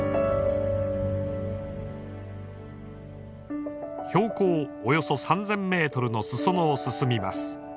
標高およそ３，０００ｍのすそ野を進みます。